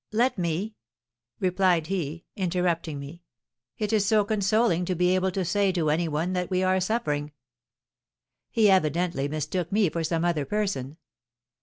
let me!' replied he, interrupting me. 'It is so consoling to be able to say to any one that we are suffering!' He evidently mistook me for some other person.